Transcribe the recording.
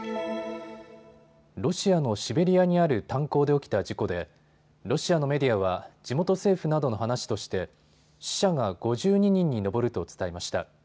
ロシアのシベリアにある炭鉱で起きた事故でロシアのメディアは地元政府などの話として死者が５２人に上ると伝えました。